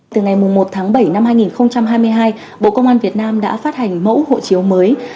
từ ngày một tháng bảy năm hai nghìn hai mươi hai bộ công an việt nam đã phát hành mẫu hộ chiếu mới